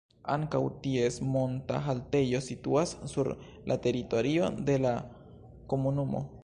Ankaŭ ties monta haltejo situas sur la teritorio de la komunumo.